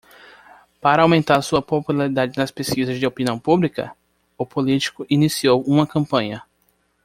Para aumentar sua popularidade nas pesquisas de opinião pública?, o político iniciou uma campanha.